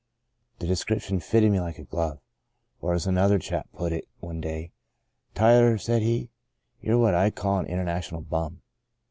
The description fitted me like a glove. Or, as another chap put it one day —* Tyler,' said he, * you're what I call an international bum.'